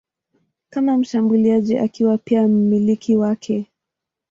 kama mshambuliaji akiwa pia mmiliki wake.